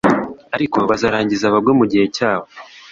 Ariko bazarangiza bagwe mugihe cyabo